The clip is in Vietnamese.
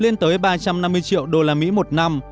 lên tới ba trăm năm mươi triệu usd một năm